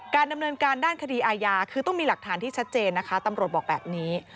ดำเนินการด้านคดีอาญาคือต้องมีหลักฐานที่ชัดเจนนะคะตำรวจบอกแบบนี้